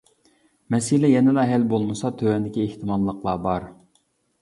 مەسىلە يەنىلا ھەل بولمىسا تۆۋەندىكى ئېھتىماللىقلار بار.